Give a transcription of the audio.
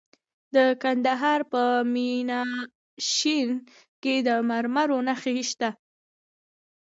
د کندهار په میانشین کې د مرمرو نښې شته.